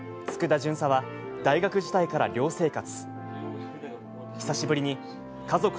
佃巡査は大学時代から寮生活。